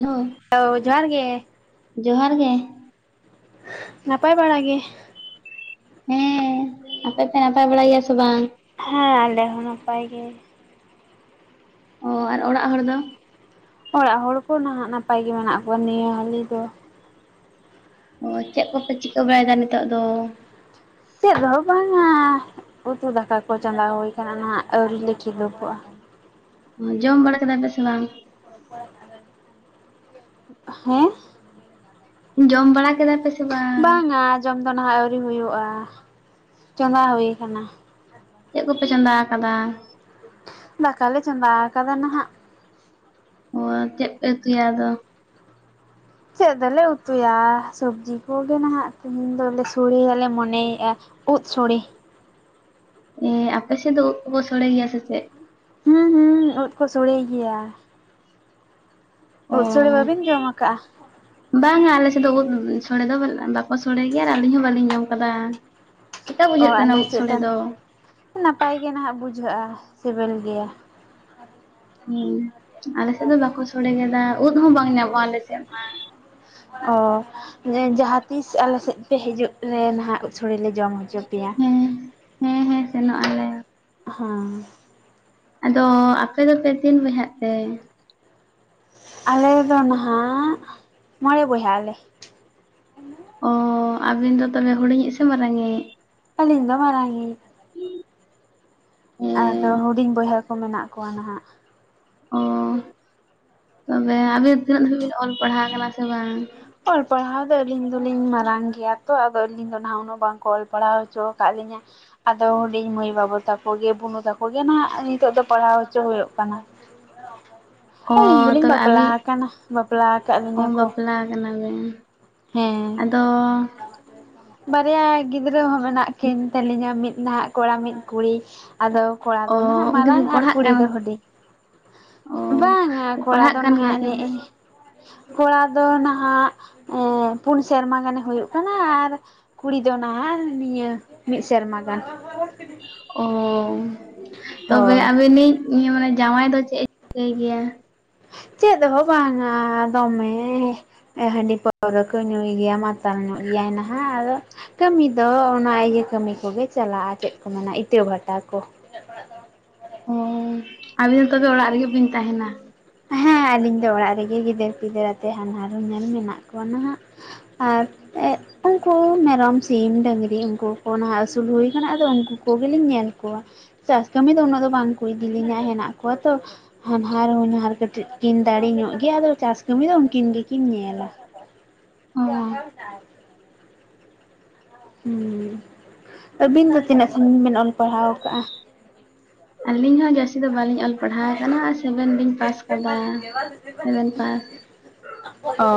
Hello ᱮ ᱡᱚᱦᱟᱨ ᱜᱮ᱾ ᱡᱚᱦᱟᱨ ᱜᱮ ᱱᱟᱯᱟᱭ ᱵᱟᱲᱟ ᱜᱮ᱾ ᱦᱮᱸ ᱟᱯᱮ ᱯᱮ ᱱᱟᱯᱟᱭ ᱵᱟᱲᱟᱭ ᱜᱮᱭᱟ ᱥᱮ ᱵᱟᱝ? ᱦᱮᱸ ᱟᱞᱮ ᱦᱚᱸ ᱱᱟᱯᱟᱭ ᱜᱮ᱾ ᱚ ᱟᱨ ᱚᱲᱟᱜ ᱦᱚᱲ ᱫᱚ? ᱚᱲᱟᱜ ᱦᱚᱲ ᱠᱚ ᱱᱟᱦᱟᱜ ᱱᱟᱯᱟᱭ ᱜᱮ ᱢᱮᱱᱟᱜ ᱠᱚᱣᱟ ᱱᱤᱭᱟᱹ ᱦᱟᱹᱞᱤ ᱫᱚ᱾ ᱚ ᱪᱮᱜ ᱠᱚᱯᱮ ᱪᱤᱠᱟᱹ ᱵᱟᱲᱟᱭᱫᱟ ᱱᱤᱛᱚᱜ ᱫᱚ? ᱪᱮᱫ ᱦᱚ ᱵᱟᱝᱟ, ᱩᱛᱩ ᱫᱟᱠᱟ ᱠᱚ ᱪᱚᱸᱫᱟ ᱦᱩᱭ ᱠᱟᱱᱟ ᱱᱟᱦᱟᱜ ᱟᱹᱣᱨᱤ ᱞᱮ ᱠᱷᱤᱞᱟᱹᱵᱚᱜᱼᱟ᱾ ᱡᱚᱢ ᱵᱟᱲᱟ ᱠᱮᱫᱟᱭ ᱯᱮ ᱥᱮ ᱵᱟᱝ? [inaudible] ᱦᱮᱸ ᱡᱚᱢ ᱵᱟᱲᱟ ᱠᱮᱫᱟ ᱯᱮ ᱥᱮ ᱵᱟᱝ? ᱵᱟᱝᱼᱟ ᱡᱚᱢ ᱫᱚ ᱱᱟᱦᱟᱜ ᱟᱹᱣᱨᱤ ᱦᱳᱭᱳᱜᱼᱟ ᱪᱚᱸᱫᱟ ᱦᱳᱭ ᱠᱟᱱᱟ᱾ ᱪᱮᱫ ᱠᱚᱯᱮ ᱪᱚᱸᱫᱟ ᱠᱟᱫᱟ? ᱫᱟᱠᱟᱞᱮ ᱪᱚᱸᱫᱟ ᱠᱟᱫᱟ ᱱᱟᱦᱟᱸᱜ᱾ ᱚ ᱪᱮᱜ ᱯᱮ ᱩᱛᱩᱭᱟ ᱟᱫᱚ? ᱪᱮᱫ ᱫᱚᱞᱮ ᱩᱛᱩᱭᱟ ᱥᱚᱵᱽᱡᱤ ᱠᱚᱜᱮ ᱱᱟᱦᱟᱜ ᱛᱮᱦᱤᱧ ᱫᱚᱞᱮ ᱥᱚᱲᱮᱭᱟᱞᱮ ᱢᱚᱱᱮᱭᱮᱜᱼᱟ᱾ ᱳᱫ ᱥᱳᱲᱮ᱾ ᱮ ᱟᱯᱮ ᱥᱮ ᱫᱚ ᱳᱫ ᱠᱚᱠᱚ ᱥᱳᱲᱮ ᱜᱮᱭᱟ ᱥᱮ ᱪᱮᱜ? ᱦᱩᱸ ᱦᱩᱸ ᱳᱫ ᱠᱚ ᱥᱳᱲᱮ ᱜᱮᱭᱟ᱾ ᱳᱫ ᱥᱳᱲᱮ ᱵᱟᱹᱵᱤᱱ ᱡᱚᱢ ᱠᱟᱜᱼᱟ? ᱵᱟᱝᱼᱟ ᱟᱞᱮᱥᱮᱫ ᱫᱚ ᱳᱫ ᱥᱳᱲᱮ ᱫᱚ ᱵᱟᱠᱚ ᱥᱳᱲᱮ ᱜᱮᱭᱟ ᱟᱨ ᱟᱹᱞᱤᱧ ᱦᱚᱸ ᱵᱟᱹᱞᱤᱧ ᱡᱚᱢ ᱠᱟᱫᱟ᱾ ᱪᱤᱠᱟ ᱚ ᱵᱩᱡᱷᱟᱹᱜ ᱠᱟᱱᱟ ᱟᱞᱮ ᱳᱫ ᱥᱮᱫ ᱥᱚᱲᱮ ᱫᱚ? ᱱᱟᱯᱟᱭ ᱜᱮ ᱱᱟᱦᱟᱜ ᱵᱩᱡᱷᱟᱹᱜᱼᱟ ᱥᱮᱵᱮᱞ ᱜᱮᱭᱟ᱾ ᱦᱮᱸ ᱟᱞᱮ ᱥᱮᱫ ᱫᱚ ᱵᱟᱠᱚ ᱥᱚᱲᱮᱟ ᱳᱫ ᱦᱚᱸ ᱵᱟᱝ ᱧᱟᱢᱚᱜᱼᱟ ᱟᱞᱮ ᱥᱮᱜ ᱢᱟ᱾ ᱚ ᱡᱟᱦᱟᱸᱛᱤᱥ ᱟᱞᱮ ᱥᱮᱜ ᱯᱮ ᱦᱤᱡᱩᱜ ᱨᱮ ᱱᱟᱦᱟᱜ ᱳᱫ ᱥᱚᱲᱮ ᱞᱮ ᱡᱚᱢ ᱦᱚᱪᱚ ᱯᱮᱭᱟ ᱦᱮᱸ ᱦᱮᱸ ᱦᱮᱸ ᱥᱮᱱᱚᱜ ᱟᱞᱮ ᱦᱮᱸ᱾ ᱟᱫᱚ ᱟᱯᱮ ᱫᱚ ᱯᱮ ᱛᱤᱱ ᱵᱚᱭᱦᱟᱜ ᱛᱮ? ᱟᱞᱮᱫᱚ ᱱᱟᱦᱟᱜ ᱢᱚᱬᱮ ᱵᱚᱭᱦᱟ ᱟᱞᱮ᱾ ᱚ ᱟᱹᱵᱤᱱ ᱫᱚ ᱛᱚᱵᱮ ᱦᱩᱰᱤᱧᱤᱡ ᱥᱮ ᱢᱟᱨᱟᱝᱼᱤᱡ? ᱟᱞᱤ ᱫᱚ ᱢᱟᱨᱟᱝ ᱤᱡ᱾ ᱟᱫᱚ ᱦᱮᱸ ᱦᱩᱰᱤᱧ ᱵᱚᱭᱦᱟ ᱠᱚ ᱢᱮᱱᱟᱜ ᱠᱚᱣᱟ ᱱᱟᱦᱟᱜ᱾ ᱚ ᱛᱚᱵᱮ ᱟᱹᱵᱤᱱ ᱛᱤᱱᱟᱹᱜ ᱫᱷᱟᱵᱤᱡ ᱵᱤᱱ ᱚᱞ ᱯᱟᱲᱦᱟᱣ ᱠᱟᱱᱟ ᱥᱮ ᱵᱟᱝ? ᱚᱞ ᱯᱟᱲᱦᱟᱣ ᱫᱚ ᱟᱹᱞᱤᱧ ᱫᱚᱞᱤᱧ ᱢᱟᱨᱟᱝ ᱜᱮᱭᱟ ᱛᱚ, ᱟᱫᱚ ᱟᱹᱞᱤᱧ ᱫᱚ ᱱᱟᱦᱟᱜ ᱩᱱᱟᱹᱜ ᱵᱟᱝᱠᱚ ᱚᱞ ᱯᱟᱲᱦᱟᱣ ᱦᱚᱪᱚ ᱟᱠᱟᱫ ᱞᱤᱧᱟᱹ᱾ ᱟᱫᱚ ᱦᱩᱰᱤᱧ ᱢᱟᱹᱭ ᱵᱟᱹᱵᱩ ᱛᱟᱠᱚ ᱜᱮ ᱵᱩᱱᱩ ᱛᱟᱠᱚ ᱜᱮ ᱟᱜ ᱱᱤᱛᱚᱜ ᱫᱚ ᱯᱟᱲᱦᱟᱣ ᱦᱚᱪᱚ ᱦᱳᱭᱳᱜ ᱠᱟᱱᱟ᱾ ᱚ ᱟᱹᱞᱤᱧ ᱫᱚᱞᱤᱧ ᱛᱚᱵᱮ ᱟᱹᱵᱤᱱ ᱵᱟᱯᱞᱟᱣ ᱠᱟᱱᱟ ᱵᱟᱯᱞᱟ ᱠᱟᱜ ᱞᱤᱧᱟᱹ ᱠᱚ᱾ ᱠᱟᱱᱟᱵᱤᱱ ᱦᱮᱸ ᱟᱫᱚ ᱵᱟᱨᱭᱟ ᱜᱤᱫᱽᱨᱟᱹ ᱦᱚᱸ ᱢᱮᱱᱟᱜ ᱠᱤᱱ ᱛᱟᱹᱞᱤᱧᱟ ᱢᱤᱫ ᱱᱟᱦᱟᱜ ᱠᱚᱲᱟ ᱢᱤᱫ ᱠᱩᱲᱤ᱾ ᱟᱫᱚ ᱠᱚᱲᱟ ᱚ ᱫᱚ ᱱᱟᱦᱟᱜ ᱩᱱᱠᱤᱱ ᱫᱚ ᱢᱟᱨᱟᱝ ᱟᱨ ᱯᱟᱲᱦᱟᱜ ᱠᱩᱲᱤ ᱠᱟᱱᱟ ᱫᱚ ᱦᱩᱰᱤᱧ᱾ ᱚ ᱵᱟᱝᱼᱟ ᱠᱚᱲᱟ ᱯᱟᱲᱦᱟᱜ ᱫᱚ ᱠᱟᱱ ᱜᱮᱭᱟ ᱱᱟᱦᱟᱜ ᱠᱤᱱ ᱱᱮᱜ ᱮ ᱠᱚᱲᱟ ᱫᱚ ᱱᱟᱦᱟᱜ ᱮᱸ ᱯᱩᱱ ᱥᱮᱨᱢᱟ ᱜᱟᱱᱮ ᱦᱳᱭᱳᱜ ᱠᱟᱱᱟ ᱟᱨ ᱠᱩᱲᱤ ᱫᱚ ᱱᱟᱦᱟᱜ ᱱᱤᱭᱟᱹ ᱢᱤᱫ ᱥᱮᱨᱢᱟ ᱜᱟᱱ᱾ ᱚ ᱛᱚᱵᱮ ᱦᱳᱭ ᱟᱹᱵᱤᱱᱤᱡ ᱢᱟᱱᱮ ᱡᱟᱶᱟᱭ ᱫᱚ ᱪᱮᱜ ᱮ ᱪᱤᱠᱟᱹᱭ ᱜᱮᱭᱟ? ᱪᱮᱫ ᱦᱚ ᱵᱟᱝᱟ ᱫᱚᱢᱮ ᱦᱟᱺᱰᱤ ᱯᱟᱹᱣᱨᱟᱹ ᱠᱚ ᱧᱩᱭ ᱜᱮᱭᱟ ᱢᱟᱛᱟᱞ ᱧᱚᱜ ᱜᱮᱭᱟᱭ ᱱᱟᱦᱟᱜ ᱟᱫᱚ, ᱠᱟᱹᱢᱤ ᱫᱚ ᱚᱱᱟ ᱤᱭᱟᱹ ᱠᱟᱹᱢᱤ ᱠᱚᱜᱮ ᱪᱟᱞᱟᱜᱼᱟ ᱪᱮᱫ ᱠᱚ ᱢᱮᱱᱟ ᱤᱛᱟᱹ ᱵᱷᱟᱴᱟ ᱠᱚ ᱾ [unintelligible] ᱤᱱᱟᱹᱜ ᱚᱲᱟᱜ ᱫᱚ, ᱚ ᱟᱹᱵᱤᱱ ᱫᱚ ᱛᱚᱵᱮ ᱚᱲᱟᱜ ᱨᱮᱜᱮ ᱵᱤᱱ ᱛᱟᱦᱮᱱᱟ? ᱦᱮᱸ ᱟᱞᱤᱧ ᱫᱚ ᱚᱲᱟᱜ ᱨᱮᱜᱮ ᱜᱤᱫᱟᱹᱨ ᱯᱤᱫᱟᱹᱨ ᱟᱛᱮᱫ ᱦᱟᱹᱱᱦᱟᱨᱩ ᱧᱮᱞ ᱢᱮᱱᱟᱜ ᱠᱚᱣᱟ ᱱᱟᱦᱟᱜ ᱟᱨ ᱮᱜ ᱩᱱᱠᱩ ᱢᱮᱨᱚᱢ ᱥᱤᱢ ᱰᱟᱹᱝᱨᱤ ᱩᱱᱠᱩ ᱠᱚ ᱱᱟᱦᱟᱜ ᱟᱹᱥᱩᱞ ᱦᱩᱭ ᱟᱠᱟᱱᱟ ᱟᱫᱚ ᱩᱱᱠᱩ ᱠᱚᱜᱮᱞᱤᱧ ᱧᱮᱞ ᱠᱚᱣᱟ ᱾ ᱪᱟᱥ ᱠᱟᱹᱢᱤ ᱫᱚ ᱩᱱᱟᱹᱜ ᱫᱚ ᱵᱟᱝᱠᱚ ᱤᱫᱤᱞᱤᱧᱟ ᱦᱮᱱᱟᱜ ᱠᱚᱣᱟ ᱛᱚ ᱦᱟᱱᱦᱟᱨ ᱦᱚᱧᱦᱟᱨ, ᱠᱟᱹᱴᱤᱡ ᱠᱤᱱ ᱫᱟᱲᱮ ᱧᱚᱜ ᱜᱮᱭᱟ ᱟᱫᱚ ᱪᱟᱥ ᱠᱟᱹᱢᱤ ᱫᱚ ᱩᱱᱠᱤᱱ ᱜᱮᱠᱤᱱ ᱧᱮᱞᱟ ᱾ ᱚ [unintelligible] ᱦᱮᱸ ᱟᱹᱵᱤᱱ ᱫᱚ ᱛᱤᱱᱟᱹᱜ ᱥᱟᱺᱜᱤᱧ ᱵᱤᱱ ᱚᱞ ᱯᱟᱲᱦᱟᱣ ᱟᱠᱟᱜᱼᱟ? ᱟᱹᱞᱤᱧ ᱦᱚᱸ ᱡᱟᱹᱥᱛᱤ ᱫᱚ ᱵᱟᱞᱤᱧ ᱚᱞ ᱯᱟᱲᱦᱟᱣ ᱟᱠᱟᱱᱟ ᱟᱨ ᱥᱮᱵᱷᱮᱱ ᱞᱧ ᱯᱟᱥ ᱟᱠᱟᱫᱟ ᱥᱮᱵᱷᱮᱱ ᱯᱟᱥ ᱚ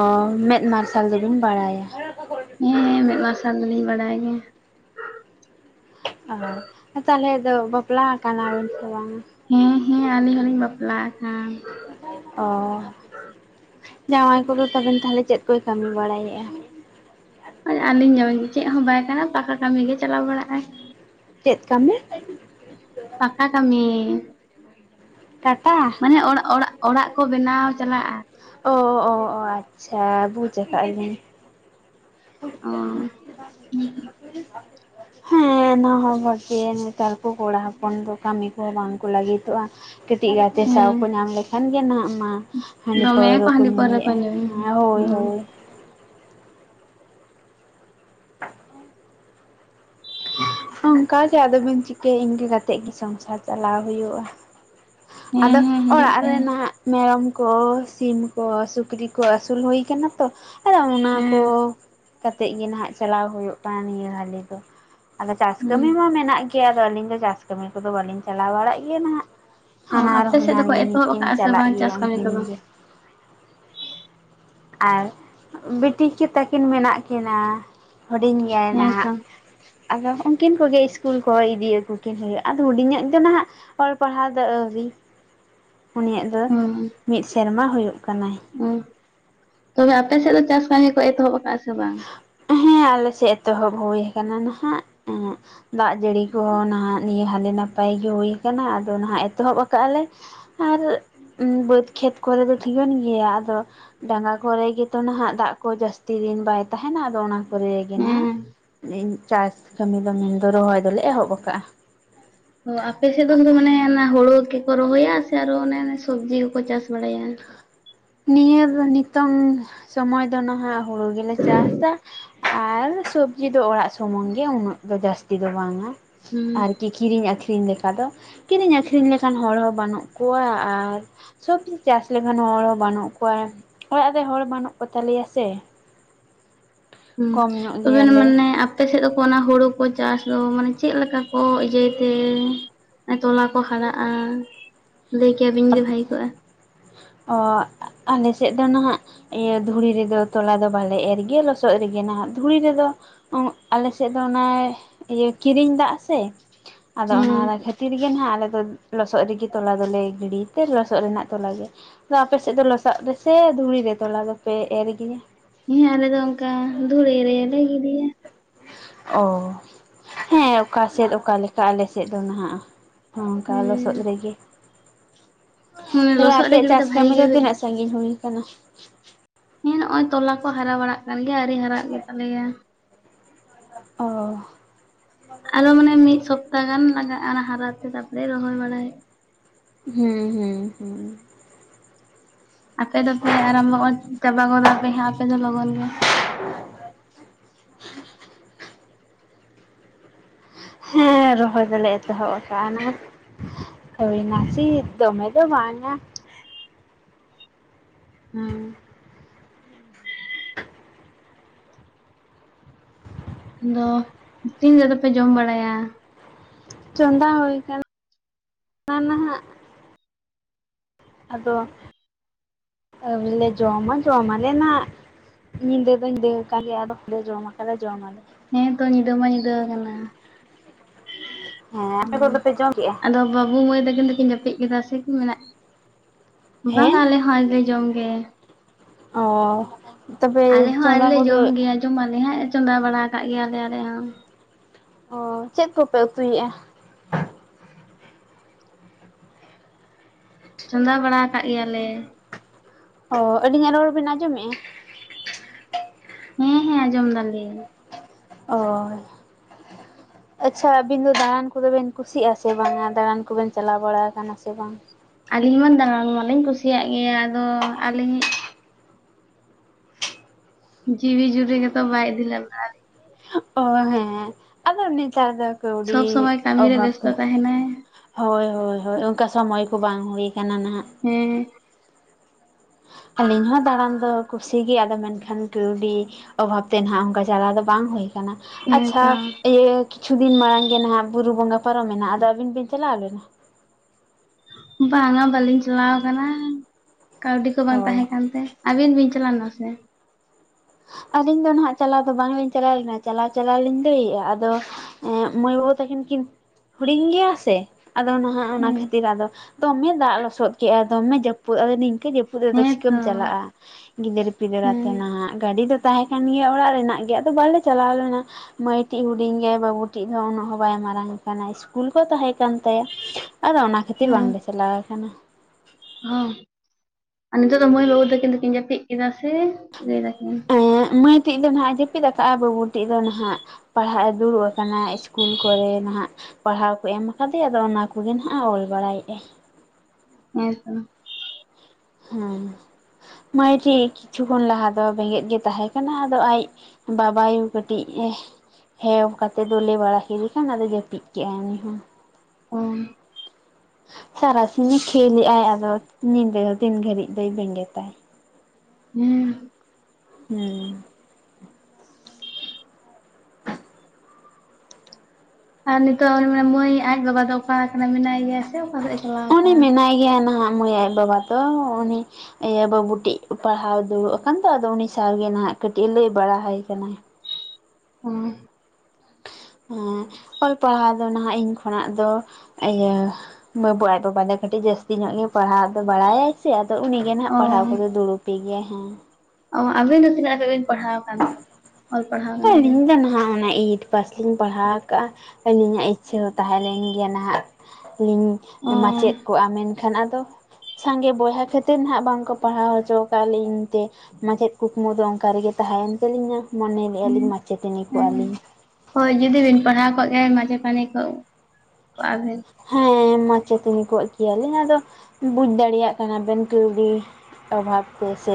ᱢᱮᱫ ᱢᱟᱨᱥᱟᱞ ᱫᱚᱵᱤᱱ ᱵᱟᱲᱟᱭᱟ ᱾ ᱦᱮᱸ ᱢᱮᱫ ᱢᱟᱨᱥᱟᱞ ᱫᱚᱞᱤᱧ ᱵᱟᱲᱟᱭ ᱜᱮᱭᱟ ᱾ ᱚ ᱛᱟᱞᱦᱮ ᱫᱚ ᱵᱟᱯᱞᱟ ᱟᱠᱟᱱᱟᱵᱤᱱ ᱥᱮ ᱵᱟᱝᱟ? ᱦᱮᱸ ᱦᱮᱸ ᱟᱹᱞᱤᱧ ᱦᱚᱞᱤᱧ ᱵᱟᱯᱞᱟ ᱟᱠᱟᱱ। ᱚ ᱡᱟᱶᱟᱭ ᱠᱚᱫᱚ ᱛᱟᱵᱤᱱ ᱛᱟᱞᱦᱮ ᱪᱮᱫ ᱠᱚᱭ ᱠᱟᱹᱢᱤ ᱵᱟᱲᱟᱭᱮᱫᱼᱟ? ᱟᱹᱞᱤᱧ ᱡᱟᱶᱟᱭ ᱫᱚ ᱪᱮᱫ ᱦᱚᱸ ᱵᱟᱭ ᱠᱟᱱᱟ ᱯᱟᱠᱟ ᱠᱟᱹᱢᱤ ᱜᱮ ᱪᱟᱞᱟᱣ ᱵᱟᱲᱟᱜᱼᱟᱭ। ᱪᱮᱫ ᱠᱟᱹᱢᱤ? ᱯᱟᱠᱟ ᱠᱟᱹᱢᱤ ᱾ ᱴᱟᱴᱟ ᱢᱟᱱᱮ ᱚᱲᱟᱜ ᱚᱲᱟᱜ ᱚᱲᱟᱜ ᱠᱚ ᱵᱮᱱᱟᱣ ᱪᱟᱞᱟᱜᱼᱟ। ᱚ ᱚ ᱚ ᱟᱪᱪᱷᱟ ᱵᱩᱡᱽ ᱟᱠᱟᱫ ᱟᱹᱧ ᱾ ᱚ ᱦᱮᱸ ᱦᱟᱸᱜ ᱾ ᱦᱮᱸ ᱚᱱᱟᱦᱚᱸ ᱵᱷᱟᱜᱮᱭᱟ ᱱᱮᱛᱟᱨ ᱠᱚ ᱠᱚᱲᱟ ᱦᱚᱯᱚᱱ ᱫᱚ ᱠᱟᱹᱢᱤ ᱠᱚᱦᱚᱸ ᱵᱟᱝ ᱠᱚ ᱞᱟᱹᱜᱤᱫᱚᱜᱼᱟ ᱾ ᱠᱟᱹᱴᱤᱡ ᱜᱟᱛᱮ ᱦᱮᱸ ᱥᱟᱶ ᱠᱚ ᱧᱟᱢ ᱞᱮᱠᱷᱟᱱ ᱜᱮ ᱱᱟᱦᱟᱜ ᱢᱟ ᱦᱟᱺᱰᱤ ᱫᱚᱢᱮ ᱯᱟᱹᱨᱣᱟᱹ ᱠᱚ ᱦᱟᱺᱰᱤ ᱯᱟᱹᱣᱨᱟᱹ ᱧᱩᱭᱮᱫ-ᱟ ᱧᱩᱭᱟ ᱦᱮᱸ ᱦᱳᱭ ᱦᱮᱸ ᱦᱳᱭ ᱾ [unintelligible] ᱚᱱᱠᱟᱜᱮ ᱟᱫᱚ ᱵᱤᱱ ᱪᱤᱠᱟᱹᱭᱟ ᱤᱱᱠᱟᱹ ᱠᱟᱛᱮᱜ ᱜᱮ ᱥᱚᱝᱥᱟᱨ ᱪᱟᱞᱟᱣ ᱦᱳᱭᱳᱜᱼᱟ ᱾ ᱦᱮᱸ ᱟᱫᱚ ᱦᱮᱸ ᱦᱤᱡᱩᱜ ᱚᱲᱟᱜ ᱯᱮ ᱨᱮᱱ ᱱᱟᱦᱟᱸᱜ ᱢᱮᱨᱚᱢ ᱠᱚ, ᱥᱤᱢ ᱠᱚ, ᱥᱩᱠᱨᱤ ᱠᱚ, ᱟᱹᱥᱩᱞ ᱦᱩᱭ ᱠᱟᱱᱟ ᱛᱚ ᱾ ᱟᱫᱚ ᱚᱱᱟ ᱠᱚ ᱦᱮᱸ ᱠᱟᱛᱮᱜ ᱜᱮ ᱱᱟᱼᱦᱟᱸᱜ ᱪᱟᱞᱟᱣ ᱦᱳᱭᱳᱜ ᱠᱟᱱᱟ ᱱᱤᱭᱟᱹ ᱦᱟᱹᱞᱤ ᱫᱚ ᱾ ᱟᱫᱚ ᱪᱟᱥ ᱦᱮᱸ ᱠᱟᱹᱢᱤ ᱢᱟ ᱢᱮᱱᱟᱜ ᱜᱮᱭᱟ ᱟᱫᱚ ᱟᱹᱞᱤᱧ ᱫᱚ ᱪᱟᱥ ᱠᱟᱹᱢᱤ ᱠᱚᱫᱚ ᱵᱟᱹᱞᱤᱧ ᱪᱟᱞᱟᱣ ᱵᱟᱲᱟᱜ ᱜᱮᱭᱟ ᱱᱟᱼᱦᱟᱸᱜ ᱾ ᱚ ᱦᱟᱱᱦᱟᱨ ᱟᱯᱮ ᱥᱮᱫ ᱫᱚᱠᱚ ᱦᱚᱧᱦᱟᱨᱤᱧ ᱜᱮ ᱮᱛᱚᱦᱚᱵ ᱠᱤᱱ ᱟᱠᱟᱜᱼᱟ ᱥᱮ ᱪᱟᱞᱟᱜ ᱵᱟᱝ ᱜᱮᱭᱟ ᱪᱟᱥ ᱠᱟᱹᱢᱤ ᱩᱱᱠᱤᱱ ᱠᱚᱫᱚ ᱜᱮ ᱾ ᱟᱨ ᱵᱤᱴᱤ ᱠᱮ ᱛᱟᱹᱠᱤᱱ ᱢᱮᱱᱟᱜ ᱠᱤᱱᱟ ᱦᱩᱰᱤᱧ ᱜᱮᱭᱟᱭ ᱦᱮᱸ ᱛᱚ ᱱᱟᱦᱟᱸᱜ ᱾ ᱟᱫᱚ ᱩᱱᱠᱤᱱ ᱠᱚᱜᱮ ᱤᱥᱠᱩᱞ ᱠᱚ ᱤᱫᱤ ᱟᱹᱜᱩ ᱠᱤᱱ ᱦᱩᱭᱩᱜᱼᱟ ᱟᱫᱚ ᱦᱩᱰᱤᱧ ᱧᱚᱜ ᱫᱚ ᱱᱟᱦᱟᱸᱜ ᱚᱞ ᱯᱟᱲᱦᱟᱣ ᱫᱚ ᱟᱹᱣᱨᱤ ᱩᱱᱤᱭᱟᱜ ᱫᱚ ᱢᱤᱫ ᱥᱮᱨᱢᱟ ᱦᱩᱭᱩᱜ ᱠᱟᱱᱟᱭ ᱾ ᱩᱸ ᱛᱚᱵᱮ ᱟᱯᱮ ᱥᱮᱫ ᱫᱚ ᱪᱟᱥ ᱠᱟᱹᱢᱤ ᱠᱚ ᱮᱛᱚᱦᱚᱵ ᱟᱠᱟᱫᱼᱟ ᱥᱮ ᱵᱟᱝ? ᱦᱮᱸ ᱟᱞᱮ ᱥᱮᱫ ᱮᱛᱚᱦᱚᱵ ᱦᱩᱭ ᱟᱠᱟᱱᱟ ᱱᱟᱦᱟᱸᱜ ᱮᱸᱜ ᱾ ᱫᱟᱜ ᱡᱟᱹᱲᱤ ᱠᱚᱦᱚᱸ ᱱᱟᱦᱟᱸᱜ ᱱᱤᱭᱟᱹ ᱦᱟᱞᱮ ᱱᱟᱯᱟᱭ ᱜᱮ ᱦᱩᱭ ᱠᱟᱱᱟ ᱟᱫᱚ ᱱᱟᱦᱟᱸᱜ ᱮᱛᱚᱦᱚᱵ ᱟᱠᱟᱫ ᱟᱞᱮ ᱟᱨ ᱵᱟᱹᱫᱽ ᱠᱷᱮᱛ ᱠᱚᱨᱮ ᱫᱚ ᱴᱷᱤᱠᱟᱹᱱ ᱜᱮᱭᱟ ᱟᱫᱚ, ᱰᱟᱸᱜᱟ ᱠᱚᱨᱮ ᱜᱮᱛᱚ ᱱᱟᱦᱟᱜ ᱫᱟᱜ ᱠᱚ ᱡᱟᱹᱥᱛᱤ ᱫᱤᱱ ᱵᱟᱭ ᱛᱟᱦᱮᱱᱟ ᱾ ᱛᱟᱦᱮᱱᱟ ᱟᱫᱚ ᱚᱱᱟ ᱠᱚᱨᱮ ᱜᱮ ᱱᱟᱦᱱᱟᱜ ᱦᱮᱸ ᱪᱟᱥ ᱠᱟᱹᱢᱤ ᱫᱚ ᱢᱮᱱᱫᱚ ᱨᱚᱦᱚᱭ ᱫᱚᱞᱮ ᱮᱦᱚᱵ ᱟᱠᱟᱫᱼᱟ ᱾ ᱚ ᱟᱯᱮ ᱥᱮᱫ ᱫᱚ ᱩᱱ ᱫᱚ ᱢᱟᱱᱮ ᱚᱱᱟ ᱦᱳᱲᱳ ᱜᱮᱠᱚ ᱨᱚᱦᱚᱭᱟ ᱥᱮ ᱟᱨᱚ ᱚᱱᱮ ᱥᱚᱵᱽᱡᱤ ᱠᱚᱠᱚ ᱪᱟᱥ ᱵᱟᱲᱟᱭᱟ? ᱱᱤᱭᱟᱹ ᱫᱚ ᱱᱤᱛᱚᱝ ᱥᱚᱢᱚᱭ ᱫᱚ ᱱᱟᱦᱟᱸᱜ ᱦᱳᱲᱳ ᱜᱮᱞᱮ ᱪᱟᱥᱟ᱾ ᱟᱨ ᱥᱚᱵᱡᱤ ᱫᱚ ᱚᱲᱟᱜ ᱥᱩᱢᱩᱝ ᱜᱮ ᱩᱱᱟᱹᱜ ᱫᱚ ᱡᱟᱹᱥᱛᱤ ᱫᱚ ᱵᱟᱝᱟ, ᱦᱩᱸ ᱟᱨ ᱠᱤ ᱠᱤᱨᱤᱧ ᱟᱹᱠᱷᱨᱤᱧ ᱞᱮᱠᱟ ᱫᱚ ᱠᱤᱨᱤᱧ ᱟᱹᱠᱷᱨᱤᱧ ᱞᱮᱠᱷᱟᱱ ᱦᱚᱲ ᱦᱚᱸ ᱵᱟᱹᱱᱩᱜ ᱠᱚᱣᱟ, ᱟᱨ ᱥᱚᱵᱡᱤ ᱪᱟᱥ ᱞᱮᱠᱷᱟᱱ ᱦᱚᱲ ᱦᱚ ᱵᱟᱹᱱᱩᱜ ᱠᱚᱣᱟ, ᱚᱲᱟᱜ ᱨᱮ ᱦᱚᱲ ᱵᱟᱹᱱᱩᱜ ᱠᱚ ᱛᱟᱞᱮᱭᱟ ᱥᱮ᱾ ᱦᱩᱸ ᱠᱚᱢ ᱧᱚᱜ ᱛᱚᱵᱮᱱ ᱜᱮᱭᱟᱞᱮ ᱢᱟᱱᱮ ᱟᱯ ᱟᱯᱮ ᱥᱮᱫ ᱫᱚᱠᱚ ᱚᱱᱟ ᱦᱳᱲᱳ ᱠᱚ ᱪᱟᱥ ᱫᱚ ᱢᱟᱱᱮ ᱪᱮᱫ ᱞᱮᱠᱟ ᱠᱚ ᱤᱭᱟᱹᱭ ᱛᱮ? ᱮ ᱛᱚᱞᱟ ᱠᱚ ᱦᱟᱨᱟᱜᱼᱟ, ᱞᱟᱹᱭ ᱠᱮᱭᱟᱵᱤᱱ ᱜᱮ ᱵᱷᱟᱜᱮ ᱠᱚᱜᱼᱟ᱾ ᱚ ᱟᱞᱮ ᱥᱮᱫ ᱫᱚ ᱱᱟᱦᱟᱸᱜ ᱤᱭᱟᱹ ᱫᱷᱩᱲᱤ ᱨᱮᱫᱚ ᱛᱚᱞᱟ ᱫᱚ ᱵᱟᱞᱮ ᱮᱨ ᱜᱮᱭᱟ ᱞᱚᱥᱚᱫ ᱨᱮᱜᱮ ᱱᱟᱦᱟᱸᱜ, ᱫᱷᱩᱲᱤ ᱨᱮᱫᱚ ᱚᱸᱜ ᱟᱞᱮ ᱥᱮᱫ ᱫᱚ ᱚᱱᱟ ᱤᱭᱟᱹ ᱠᱤᱨᱤᱧ ᱫᱟᱜ ᱥᱮ, ᱟᱫᱚ ᱚᱱᱟ ᱦᱮᱸ ᱨᱮ ᱠᱷᱟᱹᱛᱤᱨ ᱜᱮ ᱱᱟᱦᱟᱸᱜ ᱟᱞᱮ ᱫᱚ ᱞᱚᱥᱚᱫ ᱨᱮᱜᱮ ᱛᱚᱞᱟ ᱫᱚᱞᱮ ᱜᱤᱰᱤ ᱛᱮ ᱞᱚᱥᱚᱫ ᱨᱮᱱᱟᱜ ᱛᱚᱞᱟ ᱜᱮ ᱟᱯᱮ ᱥᱮᱫ ᱫᱚ ᱞᱚᱥᱟᱜ ᱨᱮᱥᱮ ᱫᱷᱩᱲᱤ ᱨᱮ ᱛᱚᱞᱟ ᱫᱚᱯᱮ ᱮᱨ ᱜᱮᱭᱟ? ᱦᱮᱸ ᱟᱞᱮ ᱫᱚ ᱚᱱᱠᱟ ᱫᱷᱩᱲᱤ ᱨᱮᱞᱮ ᱜᱤᱰᱤᱭᱟ᱾ ᱚ ᱦᱮᱸ ᱚᱠᱟ ᱥᱮᱫ ᱚᱠᱟ ᱞᱮᱠᱟ ᱟᱞᱮ ᱥᱮᱫ ᱫᱚ ᱱᱟᱦᱟᱸᱜ ᱦᱚᱸ ᱚᱱᱠᱟ ᱞᱚᱥᱚᱫ ᱨᱮᱜᱮ ᱩᱸ ᱛᱟᱦᱞᱮ ᱞᱚᱥᱚᱫ ᱨᱮ ᱟᱯᱮᱭᱟᱜ ᱜᱤᱲᱤ ᱫᱚ ᱪᱟᱥ ᱵᱷᱟᱜᱤ ᱠᱟᱹᱢᱤ ᱜᱮ ᱦᱳᱭᱳᱜ ᱛᱤᱱᱟᱹᱜ ᱥᱟᱺᱜᱤᱧ ᱦᱩᱭ ᱟᱠᱟᱱᱟ? ᱦᱮᱸ ᱱᱚᱜᱼᱚᱭ ᱛᱚᱞᱟ ᱠᱚ ᱦᱟᱨᱟ ᱵᱟᱲᱟᱜ ᱠᱟᱱ ᱜᱮᱭᱟ ᱟᱹᱣᱨᱤ ᱦᱟᱨᱟᱜ ᱜᱮᱛᱟᱞᱮᱭᱟ᱾ ᱚ᱾ ᱟᱞᱮ ᱢᱟᱱᱮ ᱢᱤᱫ ᱥᱚᱯᱛᱟ ᱜᱟᱱ ᱞᱟᱜᱟᱜᱼᱟ, ᱚᱱᱟ ᱦᱟᱨᱟᱛᱮ ᱛᱟᱨᱯᱚᱨᱮ ᱨᱚᱦᱚᱭ ᱵᱟᱲᱟᱭ ᱦᱩᱸ ᱦᱩᱸ ᱦᱩᱸ ᱾ ᱟᱯᱮ ᱫᱚᱯᱮ ᱟᱨᱟᱢᱚᱵᱚ ᱜᱚᱫ ᱪᱟᱵᱟ ᱜᱚᱫᱟ ᱯᱮ ᱦᱟᱸᱜ ᱟᱯᱮ ᱫᱚ ᱞᱚᱜᱚᱱ ᱜᱮ᱾ [inaudible] ᱦᱮᱸ ᱨᱚᱦᱚᱭ ᱫᱚᱞᱮ ᱮᱛᱚᱦᱚᱵ ᱠᱟᱜ ᱱᱟᱜ᱾ ᱦᱳᱭ ᱱᱟᱥᱤ ᱫᱚᱢᱮ ᱫᱚ ᱵᱟᱝᱟ ᱾ ᱦᱩᱸ ᱾ ᱟᱫᱚ ᱛᱤᱱ ᱨᱮ ᱫᱚ ᱯᱮ ᱡᱚᱢ ᱵᱟᱲᱟᱭᱟ? ᱪᱚᱸᱫᱟ ᱦᱩᱭ ᱠᱟᱱᱟ ᱚᱱᱟ ᱱᱟᱦᱟᱸᱜ᱾ ᱟᱫᱚ ᱟᱹᱣᱨᱤ ᱞᱮ ᱡᱚᱢᱟ ᱡᱚᱢᱟᱞᱮ ᱱᱟᱸᱜ᱾ ᱧᱤᱫᱟᱹ ᱫᱚ ᱧᱤᱫᱟᱹ ᱠᱟᱱ ᱜᱮᱭᱟ ᱟᱫᱚ [unintelligible] ᱞᱮ ᱡᱚᱢ ᱠᱟᱫᱟ ᱡᱚᱢ ᱟᱞᱮ᱾ ᱦᱮᱸᱛᱚ ᱧᱤᱫᱟᱹ ᱢᱟ ᱧᱤᱫᱟᱹ ᱠᱟᱱᱟ ᱦᱮᱸ ᱟᱯᱮ ᱦᱩᱸ ᱠᱚᱫᱚ ᱯᱮ ᱡᱚᱢ ᱠᱮᱜᱼᱟ ᱟᱫᱚ ᱵᱟᱹᱵᱩ ᱢᱟᱹᱭ ᱛᱟᱠᱤᱱ ᱫᱚᱠᱤᱱ ᱡᱟᱹᱯᱤᱫ ᱠᱮᱫᱟ ᱥᱮ ᱠᱤᱱ ᱢᱮᱱᱟᱜ ᱵᱟᱝᱟ ᱦᱮᱸ ᱟᱞᱮ ᱦᱚᱸ ᱟᱞᱮ ᱡᱚᱝ ᱜᱮ᱾ ᱚ᱾ ᱟᱞᱮ ᱛᱚᱵᱮ ᱦᱚᱸ ᱪᱚᱸᱫᱟ ᱟᱣᱨᱤᱞᱮ ᱠᱚᱫᱚ ᱡᱚᱢ ᱜᱮᱭᱟ, ᱡᱚᱢ ᱟᱞᱮ ᱦᱚᱸ ᱪᱚᱸᱫᱟ ᱵᱟᱲᱟ ᱠᱟᱫ ᱜᱮᱭᱟᱞᱮ ᱟᱞᱮ ᱦᱚᱸ᱾ ᱚ ᱪᱮᱫ ᱠᱚᱯᱮ ᱩᱛᱩᱭᱮᱜᱼᱟ? ᱪᱚᱸᱫᱟ ᱵᱟᱲᱟ ᱠᱟᱫ ᱜᱮᱭᱟᱞᱮ᱾ ᱚ ᱟᱹᱞᱤᱧᱟᱜ ᱨᱚᱲ ᱵᱤᱱ ᱟᱸᱡᱚᱢᱮᱜᱼᱟ? ᱦᱮᱸ ᱦᱮᱸ ᱟᱸᱡᱚᱢ ᱫᱟᱞᱤᱧ ᱾ ᱚ᱾ [inaudible] ᱟᱪᱪᱷᱟ ᱟᱹᱵᱤᱱ ᱫᱚ ᱫᱟᱬᱟᱱ ᱠᱚᱫᱚ ᱟᱪᱪᱷᱟ ᱟᱵᱤᱱ ᱫᱟᱲᱟᱱ ᱠᱚᱫᱚ ᱠᱩᱥᱤᱭᱟᱜᱼᱟ ᱥᱮ ᱵᱟᱝᱟ ᱫᱟᱬᱟᱱ ᱠᱚᱵᱮᱱ ᱪᱟᱞᱟᱣ ᱵᱟᱲᱟ ᱠᱟᱱᱟ ᱥᱮ ᱵᱟᱝ? ᱟᱹᱞᱤᱧ ᱢᱟ ᱫᱟᱬᱟᱱ ᱢᱟᱞᱤᱧ ᱠᱩᱥᱤᱭᱟᱜ ᱜᱮᱭᱟ, ᱟᱫᱚ ᱟᱹᱞᱤᱧᱤᱡ ᱡᱤᱣᱤ ᱡᱩᱨᱤ ᱜᱮᱛᱚ ᱵᱟᱭ ᱤᱫᱤ ᱞᱮ [unintelligible] ᱚ ᱦᱮᱸ ᱟᱫᱚ ᱱᱮᱛᱟᱨ ᱫᱚ ᱠᱟᱹᱣᱰᱤ ᱥᱚᱵᱽ ᱥᱚᱢᱚᱭ ᱠᱟᱹᱢᱤ ᱨᱮ ᱚᱵᱷᱟᱵ ᱵᱮᱥᱛᱚ ᱫᱚ ᱛᱟᱦᱮᱱᱟᱭ ᱾ ᱦᱚᱭ ᱦᱚᱭ ᱦᱚᱭ ᱚᱝᱠᱟ ᱥᱚᱢᱚᱭ ᱠᱚ ᱵᱟᱝ ᱦᱩᱭ ᱠᱟᱱᱟ ᱱᱟᱦᱚᱜ ᱾ ᱦᱩᱸ ᱾ ᱟᱹᱞᱤᱧ ᱦᱚᱸ ᱫᱟᱬᱟᱱ ᱫᱚ ᱠᱩᱥᱤᱜᱮ ᱟᱫᱚ ᱢᱮᱱᱠᱷᱟᱱ ᱠᱟᱹᱣᱰᱤ ᱚᱵᱷᱟᱵᱛᱮ ᱱᱟᱦᱟᱜ ᱚᱝᱠᱟ ᱪᱟᱞᱟᱣ ᱫᱚ ᱵᱟᱝ ᱦᱩᱭ ᱦᱮᱸ ᱟᱪᱪᱷᱟ, ᱛᱚ ᱤᱭᱟᱹ ᱠᱤᱪᱷᱩ ᱫᱤᱱ ᱢᱟᱲᱟᱝ ᱜᱮ ᱱᱟᱦᱟᱜ ᱵᱩᱨᱩ ᱵᱚᱸᱜᱟ ᱯᱟᱨᱚᱢᱮᱱᱟ ᱟᱫᱚ ᱟᱹᱵᱤᱱ ᱵᱤᱱ ᱪᱟᱞᱟᱣ ᱞᱮᱱᱟ? ᱵᱟᱝᱟ ᱵᱟᱹᱞᱤᱧ ᱪᱟᱞᱟᱣ ᱠᱟᱱᱟ ᱠᱟᱹᱣᱰᱤ ᱠᱚ ᱵᱟᱝ ᱚ ᱛᱟᱦᱮᱸ ᱠᱟᱱ ᱛᱮ ᱾ ᱟᱵᱤᱱ ᱵᱤᱱ ᱪᱟᱞᱟᱣ ᱞᱮᱱᱟ ᱥᱮ? ᱟᱹᱞᱤᱧ ᱫᱚ ᱱᱟᱦᱟᱜ ᱪᱟᱞᱟᱣ ᱫᱚ ᱵᱟᱝᱞᱤᱧ ᱪᱟᱞᱟᱣ ᱞᱮᱱᱟ ᱪᱟᱞᱟᱣ ᱪᱟᱞᱟᱣ ᱞᱤᱧ ᱞᱤᱱ ᱫᱩᱭ ᱟᱫᱚ ᱾ ᱮᱸ ᱢᱟᱹᱭ ᱵᱟᱹᱵᱩ ᱛᱟᱹᱠᱤᱱ ᱠᱤᱱ ᱦᱩᱰᱤᱧ ᱜᱮᱭᱟ ᱥᱮ᱾ ᱟᱫᱚ ᱱᱟᱦᱟᱜ ᱚᱱᱟ ᱦᱮᱸ ᱠᱷᱟᱹᱛᱤᱨ ᱟᱫᱚ ᱫᱚᱢᱮ ᱫᱟᱜ ᱞᱚᱥᱚᱫ ᱠᱮᱜᱼᱟ ᱫᱚᱢᱮ ᱡᱟᱹᱯᱩᱫ ᱟᱫᱚ ᱱᱤᱝᱠᱟ ᱡᱟᱯᱩᱫ ᱾ ᱯᱩ ᱨᱮᱫᱚ ᱦᱮᱸ ᱪᱤᱠᱟᱹᱢ ᱛᱚ ᱪᱟᱞᱟᱜᱼᱟ ᱜᱤᱫᱟᱹᱨ ᱯᱤᱫᱟᱹᱨ ᱟᱛᱮ ᱦᱮᱸ ᱱᱟᱦᱟᱜ ᱜᱟᱹᱰᱤ ᱫᱚ ᱛᱟᱦᱮᱸ ᱠᱟᱱ ᱜᱮᱭᱟ ᱚᱲᱟᱜ ᱨᱮᱱᱟᱜ ᱜᱮ ᱟᱫᱚ ᱵᱟᱞᱮ ᱪᱟᱞᱟᱣ ᱞᱮᱱᱟ ᱾ ᱢᱟᱹᱭᱴᱤᱡ ᱦᱩᱰᱤᱧ ᱜᱮᱭᱟᱭ ᱵᱟᱹᱵᱩ ᱴᱤᱡ ᱦᱚᱸ ᱩᱱᱟᱹᱜ ᱦᱚᱸ ᱵᱟᱭ ᱢᱟᱨᱟᱝ ᱠᱟᱱᱟ ᱥᱠᱩᱞ ᱠᱚ ᱛᱟᱦᱮᱸ ᱠᱟᱱ ᱛᱟᱭᱟ ᱾ ᱟᱫᱚ ᱚᱱᱟ ᱠᱷᱟᱹᱛᱤᱨ ᱦᱮᱸ ᱵᱟᱝᱞᱮ ᱪᱟᱞᱟᱣ ᱠᱟᱱᱟ ᱾ ᱦᱚᱸ ᱱᱤᱛᱚᱜ ᱫᱚ ᱢᱟᱹᱭ ᱵᱟᱹᱵᱩ ᱛᱤᱠᱤᱱ ᱫᱟᱠᱤᱱ ᱡᱟᱯᱤᱫ ᱠᱮᱫᱟ ᱥᱮ ᱪᱤᱠᱟᱹᱭᱫᱟᱠᱤᱱ? ᱦᱮᱸ ᱢᱟᱹᱭ ᱴᱤᱡ ᱫᱚ ᱱᱟᱦᱟᱜ ᱮ ᱡᱟᱹᱯᱤᱫ ᱠᱟᱜᱼᱟᱭ ᱵᱟᱹᱵᱩ ᱴᱤᱡ ᱫᱚ ᱱᱟᱦᱟᱜ ᱯᱟᱲᱦᱟᱜ ᱮ ᱫᱩᱲᱩᱜ ᱠᱟᱱᱟᱭ ᱤᱥᱠᱩᱞ ᱠᱚᱨᱮ ᱱᱟᱦᱟᱜ ᱾ ᱯᱟᱲᱦᱟᱣ ᱠᱚ ᱮᱢ ᱟᱠᱟᱫᱮᱭᱟ ᱟᱫᱚ ᱚᱱᱟ ᱠᱚᱜᱮ ᱱᱟᱦᱟᱜ ᱮ ᱚᱞ ᱵᱟᱲᱟᱭᱮᱜᱼᱟᱭ ᱾ ᱦᱮᱸ ᱛᱚ ᱾ ᱦᱮᱸ ᱢᱟᱹᱭᱴᱤᱡ ᱠᱤᱪᱷᱩ ᱠᱷᱚᱱ ᱞᱟᱦᱟ ᱫᱚ ᱵᱮᱸᱜᱮᱫ ᱜᱮ ᱛᱟᱦᱮᱸ ᱠᱟᱱᱟ ᱟᱫᱚ ᱟᱡ ᱵᱟᱵᱟᱭᱩ ᱠᱟᱹᱴᱤᱡ [inaudible] ᱦᱮᱸᱣ ᱠᱟᱛᱮ ᱫᱚ ᱞᱮ ᱵᱟᱲᱟ ᱠᱮᱫᱮ ᱠᱷᱟᱱ ᱟᱫᱚᱭ ᱡᱟᱹᱯᱤᱫ ᱠᱮᱜᱼᱟᱭ ᱩᱱᱤ ᱦᱚᱸ ᱾ ᱚ ᱾ ᱥᱟᱨᱟᱥᱤᱝ ᱠᱷᱮᱞ ᱮᱟᱭ ᱟᱫᱚ ᱧᱤᱫᱟᱹ ᱫᱤᱱ ᱜᱷᱟᱹᱲᱤᱡ ᱫᱚᱭ ᱵᱮᱸᱜᱮᱛᱟᱭ ᱾ ᱦᱩᱸ ᱦᱩᱸ ᱟᱨ ᱱᱤᱛᱚᱜ ᱢᱟᱱᱮ ᱢᱟᱹᱭ ᱟᱡ ᱵᱟᱵᱟ ᱫᱚ ᱚᱠᱟ ᱠᱟᱱᱟᱭ ᱢᱮᱱᱟᱭ ᱜᱮᱭᱟ ᱥᱮ ᱚᱠᱟ ᱫᱚᱜ ᱚᱭ ᱪᱟᱞᱟᱣ ᱩᱱᱤ ᱠᱟᱱᱟᱭ? ᱢᱮᱱᱟᱭ ᱜᱮᱭᱟ ᱱᱟᱦᱟᱜ ᱢᱟᱹᱭ ᱟᱡ ᱵᱟᱵᱟ ᱛᱚ ᱩᱱᱤ ᱤᱭᱟᱹ ᱵᱟᱹᱵᱩ ᱴᱤᱡ ᱯᱟᱲᱦᱟᱣ ᱫᱩᱲᱩᱵ ᱟᱠᱟᱱ ᱫᱚ ᱟᱫᱚ ᱩᱱᱤ ᱥᱟᱶᱜᱮ ᱱᱟᱦᱟᱜ ᱠᱟᱹᱴᱤᱡ ᱞᱮ ᱵᱟᱲᱟ ᱟᱭ ᱠᱟᱱᱟᱭ ᱾ ᱦᱩᱸ ᱦᱮᱸ ᱚᱞ ᱯᱟᱲᱦᱟᱣ ᱫᱚ ᱱᱟᱦᱟᱜ ᱤᱧ ᱠᱷᱚᱱᱟᱜ ᱫᱚ ᱤᱭᱟᱹ ᱵᱟᱵᱩ ᱟᱡ ᱫᱚ ᱠᱟᱹᱴᱤᱡ ᱡᱟᱹᱥᱛᱤ ᱧᱚᱜ ᱜᱮ ᱯᱟᱲᱦᱟᱜ ᱫᱚ ᱵᱟᱲᱟ ᱟᱭ ᱾ ᱥᱮ ᱟᱫᱚ ᱩᱱᱤᱜᱮ ᱱᱟᱦᱟᱜ ᱚ ᱯᱟᱲᱦᱟᱣ ᱠᱚᱫᱚᱭ ᱫᱩᱲᱩᱵ ᱯᱮ ᱜᱮᱭᱟ ᱦᱮᱸ ᱾ ᱚ ᱟᱵᱤᱱ ᱫᱚ ᱛᱤᱱᱟᱹᱜ ᱠᱟᱛᱮ ᱵᱤᱱ ᱯᱟᱲᱦᱟᱣ ᱟᱠᱟᱱ ᱛᱮ ᱾ ᱟᱹᱞᱤᱧ ᱫᱚ ᱱᱟᱦᱟᱜ ᱚᱱᱟ ᱮᱭᱤᱴ ᱾ ᱯᱟᱥ ᱞᱤᱧ ᱯᱟᱲᱦᱟᱣ ᱠᱟᱜᱼᱟ ᱟᱹᱞᱤᱧᱟᱜ ᱤᱪᱪᱷᱟᱹ ᱦᱚᱸ ᱛᱟᱦᱮᱸ ᱞᱮᱱ ᱜᱮᱭᱟ ᱱᱟᱦᱟᱜ ᱾ ᱞᱤᱧ ᱚ ᱢᱟᱪᱮᱫ ᱠᱚᱜᱼᱟ ᱟᱢᱮᱱ ᱠᱷᱟᱱ ᱟᱫᱚ ᱾ ᱥᱟᱸᱜᱮ ᱵᱚᱭᱦᱟ ᱠᱷᱟᱹᱛᱤᱨ ᱱᱟᱦᱟᱜ ᱵᱟᱝᱠᱚ ᱯᱟᱲᱦᱟᱣ ᱦᱚᱪᱚ ᱠᱟᱜ ᱞᱤᱧ ᱛᱮ ᱾ ᱢᱟᱪᱮᱫ ᱠᱩᱠᱢᱩ ᱫᱚ ᱚᱱᱠᱟ ᱨᱮᱜᱮ ᱛᱟᱦᱮᱸᱭᱮᱱ ᱛᱟᱹᱞᱤᱧᱟ ᱢᱚᱱᱮᱞᱮᱭᱟ ᱞᱤᱧ ᱦᱮᱸ ᱢᱟᱪᱮᱛᱟᱹᱱᱤ ᱦᱮᱸ ᱠᱚᱜᱼᱟᱹᱞᱤᱧ ᱾ ᱦᱳᱭ ᱡᱩᱫᱤ ᱵᱤᱱ ᱯᱟᱲᱦᱟᱣ ᱠᱚᱜ ᱜᱮᱭᱟ ᱢᱟᱪᱮᱛᱟᱹᱱᱤ ᱠᱚ ᱠᱚᱜ ᱟᱵᱮᱱ ᱾ ᱦᱮᱸ ᱢᱟᱪᱮᱛᱟᱹᱱᱤ ᱠᱚᱜ ᱜᱮᱭᱟᱞᱤᱧ ᱟᱫᱚ ᱵᱩᱡᱽ ᱫᱟᱲᱮᱭᱟᱜ ᱠᱟᱱᱟ ᱵᱮᱱ ᱠᱟᱹᱣᱰᱤ ᱾ ᱚᱵᱷᱟᱵᱽ ᱛᱮ ᱥᱮ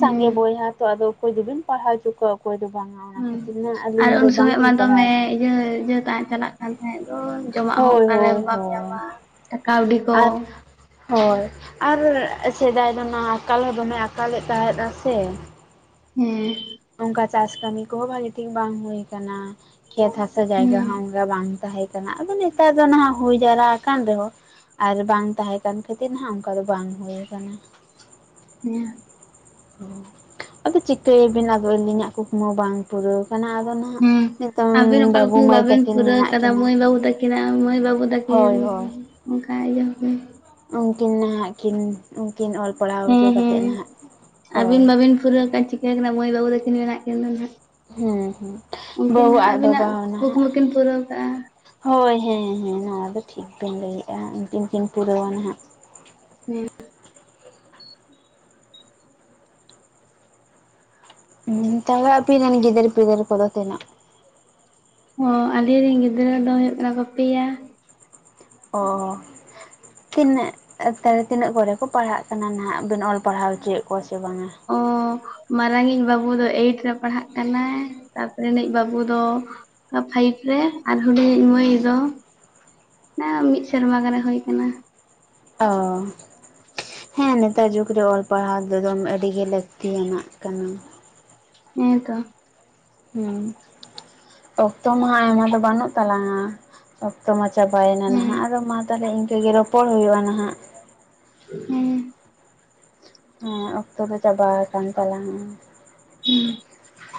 ᱥᱟᱸᱜᱮ ᱵᱚᱭᱦᱟ ᱛᱚ ᱟᱫᱚ ᱚᱠᱚᱭ ᱫᱚᱵᱤᱱ ᱯᱟᱲᱦᱟᱣ ᱦᱚᱪᱚ ᱠᱚᱣᱟ ᱚᱠᱚᱭ ᱫᱚ ᱵᱟᱝᱼᱟ ᱾ ᱦᱩᱸ ᱟᱨ ᱩᱱ ᱥᱚᱢᱚᱭ ᱢᱟ ᱫᱚᱢᱮ ᱟᱠᱟᱱᱟ ᱤᱭᱟᱹ ᱤᱭᱟᱹ ᱛᱟᱜ ᱪᱟᱞᱟᱜ ᱠᱟᱱ ᱛᱟᱦᱮᱸᱫ ᱫᱚ ᱾ ᱡᱚᱢᱟᱜ ᱦᱚᱸ ᱦᱳᱭ ᱚᱠᱟᱨᱮ ᱦᱳᱭ ᱵᱟᱢ ᱦᱳᱭ ᱧᱟᱢᱟ ᱠᱟᱹᱣᱰᱤ ᱠᱚ, ᱟᱨ ᱦᱳᱭ ᱟᱨ ᱥᱮᱫᱟᱭ ᱫᱚ ᱱᱟ ᱟᱠᱟᱞ ᱦᱚᱸ ᱫᱚᱢᱮ ᱟᱠᱟᱞᱮᱫ ᱛᱟᱦᱮᱸᱫ ᱥᱮ? ᱦᱩᱸ, ᱚᱱᱠᱟ ᱪᱟᱥ ᱠᱟᱹᱢᱤ ᱠᱚᱦᱚᱸ ᱵᱷᱟᱜᱮ ᱴᱷᱤᱠ ᱵᱟᱝ ᱦᱩᱭ ᱠᱟᱱᱟ ᱾ ᱠᱷᱮᱛ ᱦᱟᱥᱟ ᱡᱟᱭᱜᱟ ᱦᱚᱸ ᱦᱮᱸ ᱚᱱᱠᱟ ᱵᱟᱝ ᱛᱟᱦᱮᱸ ᱠᱟᱱᱟ ᱟᱫᱚ ᱱᱮᱛᱟᱨ ᱫᱚ ᱱᱟᱦᱟᱜ ᱦᱩᱭ ᱡᱟᱣᱨᱟ ᱟᱠᱟᱱ ᱨᱮᱦᱚᱸ ᱟᱨ ᱵᱟᱝ ᱛᱟᱦᱮᱸ ᱠᱟᱱ ᱠᱷᱟᱹᱛᱤᱨ ᱦᱟᱜ ᱚᱱᱠᱟ ᱫᱚ ᱵᱟᱝ ᱦᱩᱭ ᱟᱠᱟᱱᱟ ᱾ ᱦᱮᱸ, ᱟᱫᱚ ᱪᱤᱠᱟᱹᱭᱟᱵᱤᱱ ᱟᱫᱚ ᱟᱹᱞᱤᱧᱟᱜ ᱠᱩᱠᱢᱩ ᱵᱟᱝ ᱯᱩᱨᱟᱹᱣ ᱠᱟᱱᱟ ᱟᱫᱚ ᱱᱟᱦᱟᱜ ᱦᱮᱸ ᱱᱤᱛᱚᱝ ᱟᱵᱤᱱ ᱚᱠᱟ ᱵᱟᱹᱵᱩ ᱢᱟᱹᱭ ᱵᱟᱵᱤᱱ ᱛᱟᱹᱠᱤᱱ ᱯᱩᱨᱟᱹᱣ ᱢᱮᱱᱟᱜ ᱠᱟᱫᱟ ᱠᱤᱱᱟ ᱢᱟᱹᱭ ᱵᱟᱹᱵᱩ ᱛᱟᱹᱠᱤᱱᱟᱜ ᱢᱟᱹᱭ ᱵᱟᱹᱵᱩ ᱛᱟᱹᱠᱤᱱ, ᱦᱳᱭ ᱦᱳᱭ ᱚᱱᱠᱟ ᱤᱭᱟᱹ ᱠᱚ ᱾ ᱩᱱᱠᱤᱱ ᱱᱟᱦᱟᱜ ᱠᱤᱱ ᱩᱱᱠᱤᱱ ᱚᱞ ᱯᱟᱲᱦᱟᱣ ᱦᱚᱪᱚ ᱠᱟ ᱠᱟᱛᱮᱫ ᱱᱟᱦᱟᱜ ᱦᱳᱭ, ᱩᱨᱟᱹᱟᱱ [inaudible] ᱪᱤᱠᱟᱹ ᱠᱟᱱᱟ ᱢᱟᱹᱭ ᱵᱟᱹᱵᱩ ᱫᱚᱠᱤᱱ ᱢᱮᱱᱟᱜ ᱠᱤᱱ ᱦᱮᱸ ᱦᱮᱸ ᱩᱱᱠᱤᱱ ᱵᱟᱹᱵᱩ ᱦᱟᱸᱜ ᱟᱡ ᱟᱹᱵᱤᱱᱟᱜ ᱵᱟᱵᱟ ᱦᱚ ᱱᱟᱦᱟᱜ ᱠᱩᱠᱢᱩ ᱠᱤᱱ ᱯᱩᱨᱟᱹᱣ ᱠᱟᱜᱼᱟ ᱦᱳᱭ ᱦᱮᱸ ᱦᱮᱸ ᱱᱚᱣᱟ ᱫᱚ ᱴᱷᱤᱠ ᱵᱤᱱ ᱞᱟᱹᱭᱮᱭᱟ ᱩᱱᱠᱤᱱ ᱠᱤᱱ ᱯᱩᱨᱟᱹᱣᱟ ᱱᱟᱦᱟᱜ ᱾ ᱦᱮᱸ ᱦᱸ ᱛᱟᱦᱚᱞᱮ ᱟᱵᱤᱱ ᱨᱮᱱ ᱜᱤᱫᱷᱟᱹᱨ ᱯᱤᱫᱟᱨ ᱠᱚᱚᱫ ᱛᱤᱱᱟᱹᱜ? ᱚ ᱟᱞᱮᱨᱮᱱ ᱜᱤᱫᱽᱨᱟᱹ ᱫᱚ ᱦᱩᱭᱩᱜ ᱠᱟᱱᱟ ᱠᱚ ᱯᱮᱭᱟ ᱾ ᱚᱻ ᱛᱤᱱᱟᱹᱜ ᱠᱛᱟᱨᱮ [inaudible] ᱛᱤᱱᱟᱹᱜ ᱠᱚᱨᱮ ᱠᱚ ᱯᱟᱲᱦᱟᱜ ᱠᱟᱱᱟ ᱱᱟᱦᱟᱜ ᱵᱤᱱ ᱚᱞ ᱯᱟᱲᱦᱟᱣ ᱚᱪᱚᱭᱮᱫ ᱠᱚᱣᱟ ᱥᱮ ᱵᱟᱝᱼᱟ? ᱚ, ᱢᱟᱨᱟᱝ ᱤᱡ ᱵᱟᱹᱵᱩ ᱫᱚ ᱮᱭᱤᱴ ᱨᱮ ᱯᱟᱲᱦᱟᱜ ᱠᱟᱱᱟᱭ ᱛᱟᱨᱯᱚᱨᱮ ᱨᱤᱱᱤᱡ ᱵᱟᱹᱵᱩ ᱫᱚ ᱯᱷᱟᱭᱤᱵ ᱨᱮ ᱟᱨ ᱦᱩᱰᱤᱧᱤᱧ ᱢᱟᱹᱭ ᱫᱚ, ᱚᱱᱟ ᱢᱤᱫ ᱥᱮᱨᱢᱟ ᱜᱟᱱᱮ ᱦᱩᱭ ᱟᱠᱟᱱᱟ ᱾ ᱚ ᱦᱮᱸ ᱱᱮᱛᱟᱨ ᱡᱩᱜᱽ ᱨᱮ ᱚᱞ ᱯᱟᱲᱦᱟᱣ ᱫᱚ ᱮᱠᱫᱚᱢ ᱟᱹᱰᱤ ᱜᱮ ᱞᱟᱹᱠᱛᱤᱭᱟᱱᱟᱜ ᱠᱟᱱᱟ ᱾ ᱦᱮᱸᱛᱚ ᱾ ᱦᱮᱸ ᱚᱠᱛᱚ ᱢᱟᱦᱟᱜ ᱟᱭᱢᱟ ᱫᱚ ᱵᱟᱹᱱᱩᱜ ᱛᱟᱞᱟᱝᱼᱟ ᱾ ᱚᱠᱛᱚ ᱢᱟ ᱪᱟᱵᱟᱭᱮᱱᱟ ᱦᱮᱸ ᱱᱟᱦᱟᱜ ᱟᱫᱚ ᱢᱟ ᱛᱟᱦᱚᱞᱮ ᱤᱱᱠᱟᱹᱜᱮ ᱨᱚᱯᱚᱲ ᱦᱩᱭᱩᱜᱼᱟ ᱱᱟᱦᱟᱜ ᱦᱩᱸ ᱦᱮᱸ ᱚᱠᱛᱚ ᱫᱚ ᱪᱟᱵᱟ ᱟᱠᱟᱱ ᱛᱟᱞᱟᱝᱼᱟ ᱾ ᱦᱮᱸ,